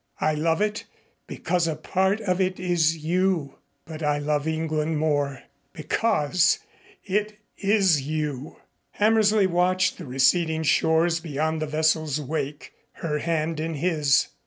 "I love it because a part of it is you. But I love England more, because it is you." Hammersley watched the receding shores beyond the vessel's wake, her hand in his.